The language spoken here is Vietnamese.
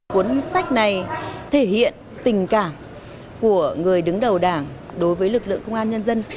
cuốn sách này thể hiện tình cảm của người đứng đầu đảng đối với lực lượng công an nhân dân